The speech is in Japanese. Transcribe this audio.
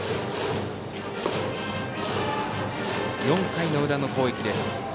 ４回の裏の攻撃です。